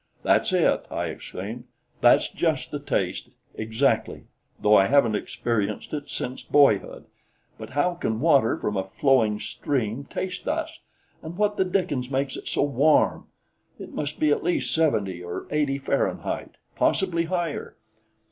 "That's it," I exclaimed, " that's just the taste exactly, though I haven't experienced it since boyhood; but how can water from a flowing stream, taste thus, and what the dickens makes it so warm? It must be at least 70 or 80 Fahrenheit, possibly higher."